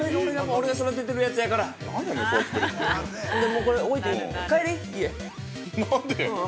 俺が育ててるやつからから。